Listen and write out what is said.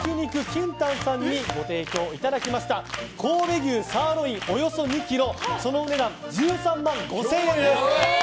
ＫＩＮＴＡＮさんにご提供いただきました神戸牛サーロインおよそ２ｋｇそのお値段１３万５０００円です。